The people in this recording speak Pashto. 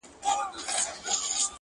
يوه زاړه- يوه تک تور- يوه غریب ربابي-